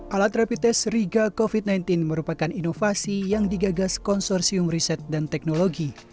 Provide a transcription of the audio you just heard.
alat rapid test riga covid sembilan belas merupakan inovasi yang digagas konsorsium riset dan teknologi